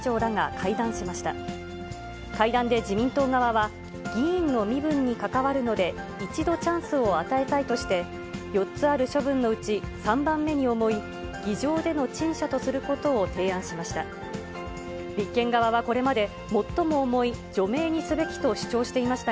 会談で自民党側は、議員の身分にかかわるので、一度チャンスを与えたいとして、４つある処分のうち３番目に重い、議場での陳謝とすることを提案しました。